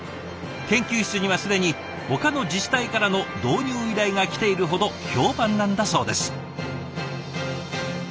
研究室には既にほかの自治体からの導入依頼が来ているほど評判なんだそうです。